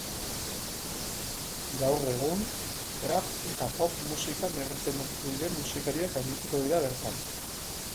Gaur egun trap eta pop musikan erreferente diren musikariak arituko dira bertan.